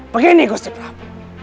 begini gusti prabu